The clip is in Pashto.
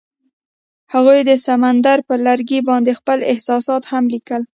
هغوی د سمندر پر لرګي باندې خپل احساسات هم لیکل.